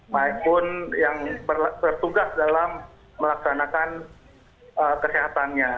maupun yang bertugas dalam melaksanakan kesehatannya